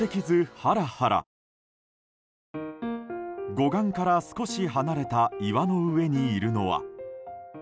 護岸から少し離れた岩の上にいるのは。